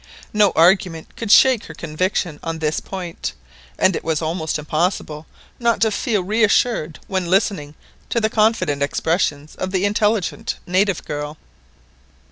No argument could shake her conviction on this point, and it was almost impossible not to feel reassured when listening to the confident expressions of the intelligent native girl.